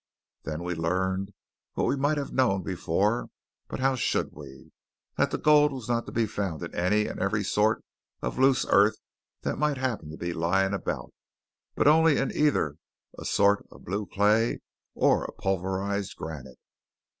Then we learned what we might have known before but how should we? that the gold was not to be found in any and every sort of loose earth that might happen to be lying about, but only in either a sort of blue clay or a pulverized granite.